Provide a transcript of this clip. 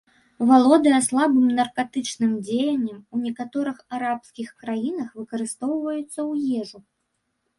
Валодае слабым наркатычным дзеяннем, у некаторых арабскіх краінах выкарыстоўваюцца ў ежу.